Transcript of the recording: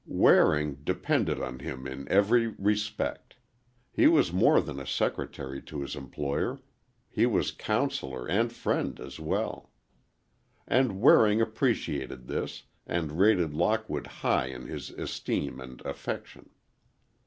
Waring depended on him in every respect. He was more than a secretary to his employer. He was counselor and friend as well. And Waring appreciated this, and rated Lockwood high in his esteem and affection.